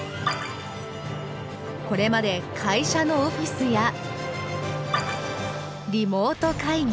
これまで会社のオフィスやリモート会議